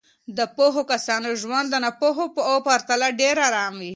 د پوهو کسانو ژوند د ناپوهو په پرتله ډېر ارام وي.